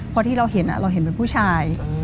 พอที่เราเห็นเราเห็นเป็นผู้ชาย